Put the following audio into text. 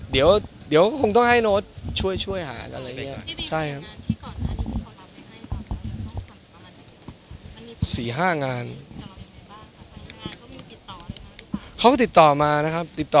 เดี๋ยวคงต้องให้โน๊ตช่วยหาอะไรอย่างนี้